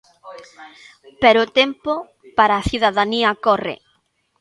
Pero o tempo para a cidadanía corre.